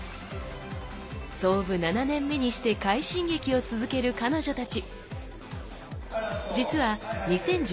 創部７年目にして快進撃を続ける彼女たち。